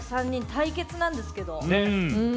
対決なんですけど。